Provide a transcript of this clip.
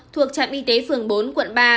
thuộc trạm y tế phường bốn quận ba